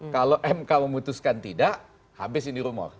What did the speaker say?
kalau mk memutuskan tidak habis ini rumor